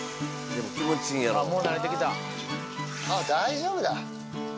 ああ、大丈夫だ。